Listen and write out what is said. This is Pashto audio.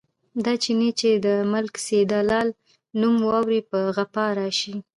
دا چيني چې د ملک سیدلال نوم واوري، په غپا راشي.